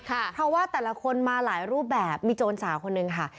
เพราะว่าแต่ละคนมาหลายรูปแบบมีโจรสาวคนนึงค่ะ